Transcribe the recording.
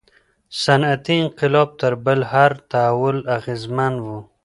صنعتي انقلاب تر بل هر تحول اغیزمن و.